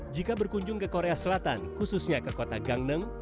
jika berkunjung ke korea selatan khususnya ke kota gangneung